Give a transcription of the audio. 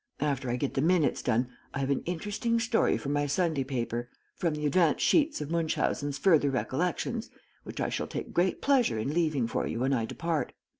After I get the minutes done I have an interesting story for my Sunday paper from the advance sheets of Munchausen's Further Recollections, which I shall take great pleasure in leaving for you when I depart.